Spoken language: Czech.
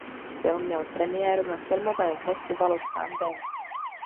Film měl premiéru na filmovém festivalu v Sundance.